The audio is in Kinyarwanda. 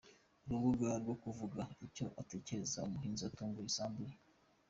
urubuga rwo kuvuga icyo atekereza; Umuhinzi atungwe n’isambu ye